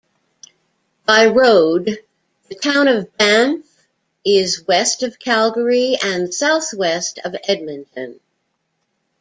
By road, the town of Banff is west of Calgary and southwest of Edmonton.